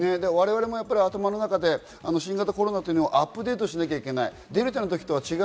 我々も頭の中で新型コロナというのをアップデートしなければいけない。